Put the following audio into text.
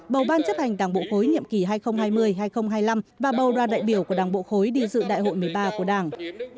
bầu ban chấp hành đảng bộ khối nhiệm kỳ hai nghìn hai mươi hai nghìn hai mươi năm và bầu ra đại biểu của đảng bộ khối đi dự đại hội một mươi ba của đảng